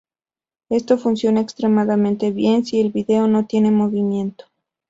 Esto funciona extremadamente bien si el video no tiene movimiento.